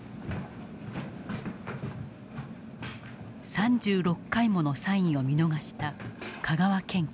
３６回ものサインを見逃した香川県警。